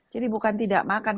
jadi bukan tidak makan